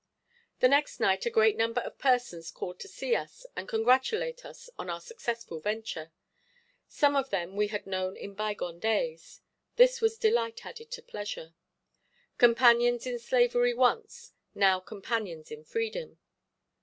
The next night a great number of persons called to see us and congratulate us on our successful venture. Some of them we had known in by gone days. This was delight added to pleasure. Companions in slavery once, now companions in freedom.